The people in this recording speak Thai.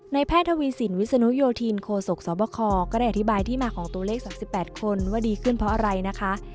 แพทย์ทวีสินวิศนุโยธินโคศกสบคก็ได้อธิบายที่มาของตัวเลข๒๘คนว่าดีขึ้นเพราะอะไรนะคะ